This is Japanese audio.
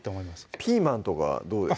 ピーマンとかどうですか？